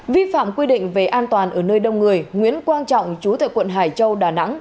vi phạm quy định về an toàn ở nơi đông người nguyễn quang trọng chú tệ quận hải châu đà nẵng